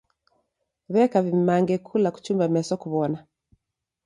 W'eka w'imange kula kuchumba meso kuw'ona.